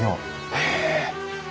へえ。